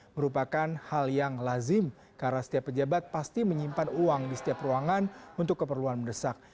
merupakan hal yang lazim karena setiap pejabat pasti menyimpan uang di setiap ruangan untuk keperluan mendesak